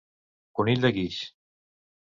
Conill de guix.